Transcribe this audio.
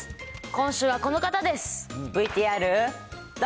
今週はこの方です。